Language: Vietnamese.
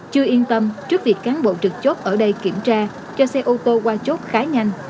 chưa yên tâm trước việc cán bộ trực chốt ở đây kiểm tra cho xe ô tô qua chốt khá nhanh